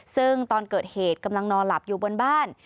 ซึ่งตอนเกิดเหตุกำลังนอนหลับอยู่บนบ้าน